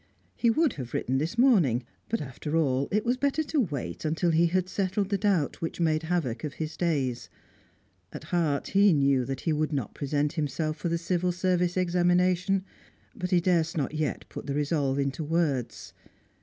He would have written this morning, but, after all, it was better to wait until he had settled the doubt which made havoc of his days. At heart he knew that he would not present himself for the Civil Service examination; but he durst not yet put the resolve into words.